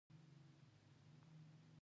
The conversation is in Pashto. د بلخ په شولګره کې د څه شي نښې دي؟